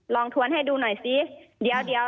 ลองทวนให้ดูหน่อยสิ